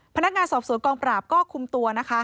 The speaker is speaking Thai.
พนักงานสอบสวนกองปราบก็คุมตัวนะคะ